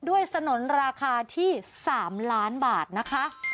ด้วยสนลราคาที่๓ล้านบาทนะคะ